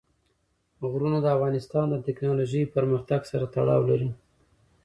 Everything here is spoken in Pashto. غرونه د افغانستان د تکنالوژۍ پرمختګ سره تړاو لري.